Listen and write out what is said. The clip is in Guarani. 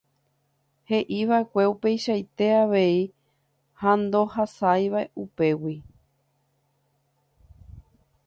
he'iva'ekue upeichaite avei ha ndohasáiva upégui.